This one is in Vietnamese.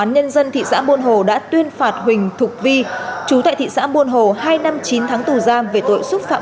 hãy đăng ký kênh để nhận thông tin nhất